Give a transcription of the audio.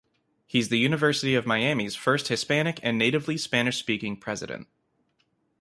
He is the University of Miami's first Hispanic and natively Spanish-speaking president.